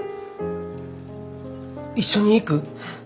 一緒に行く？